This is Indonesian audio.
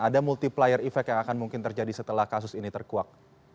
ada multiplier effect yang akan mungkin terjadi setelah kasus ini terkuak